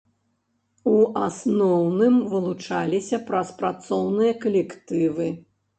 У асноўным вылучаліся праз працоўныя калектывы.